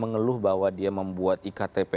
mengeluh bahwa dia membuat iktp